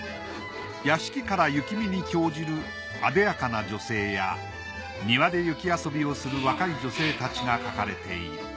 屋敷から雪見に興じるあでやかな女性や庭で雪遊びをする若い女性たちが描かれている。